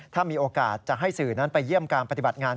ถ้ามีโอกาสจะให้สื่อนั้นไปเยี่ยมการปฏิบัติงาน